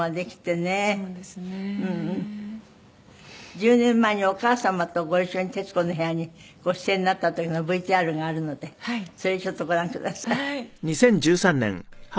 １０年前にお母様とご一緒に『徹子の部屋』にご出演になった時のＶＴＲがあるのでそれちょっとご覧ください。